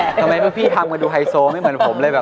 อย่าแทบทำไมพี่ทำก็ดูไฮโซไม่เหมือนผมเลยแบบ